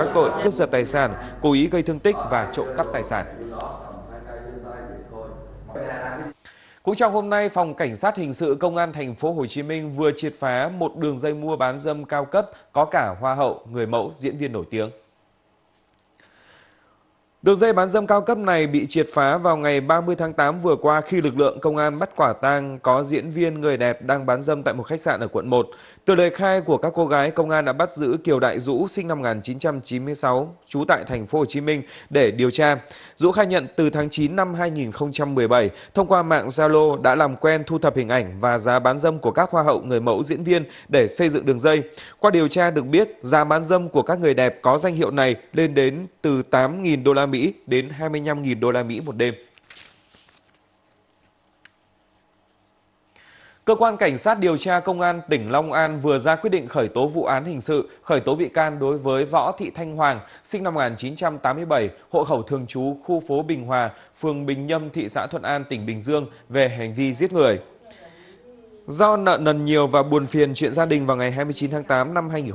do nợ nần nhiều và buồn phiền chuyện gia đình vào ngày hai mươi chín tháng tám năm hai nghìn một mươi tám